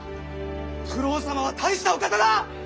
九郎様は大したお方だ！